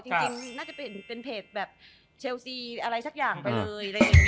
จริงน่าจะเป็นเพจแบบเชลซีอะไรทักอย่างเลย